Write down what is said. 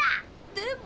でも。